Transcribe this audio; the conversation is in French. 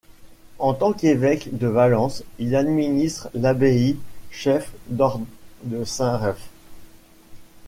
En tant qu'évêque de Valence, il administre l'abbaye chef-d'ordre de Saint-Ruf.